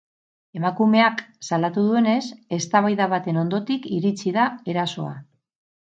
Emakumeak salatu duenez, eztabaida baten ondotik iritsi da erasoa.